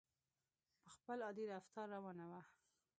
په خپل عادي رفتار روانه وه.